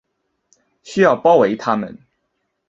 需要包围他们